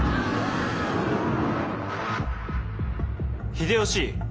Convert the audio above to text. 秀吉！